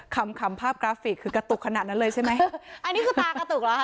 คำคำภาพกราฟิกคือกระตุกขนาดนั้นเลยใช่ไหมอันนี้คือตากระตุกเหรอฮ